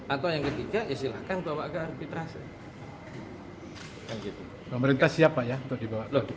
atau yang ketiga silakan bawa ke arbitrasi